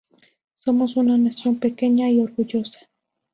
Somos una nación pequeña y orgullosa.